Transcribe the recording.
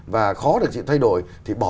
và khó để chuyện thay đổi